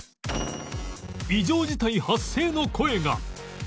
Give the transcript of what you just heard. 異常事態発生の声が